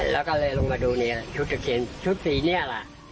แล้วก็เลยลงมาดูเนี่ยชุดตะเคียนชุดสีนี้ล่ะ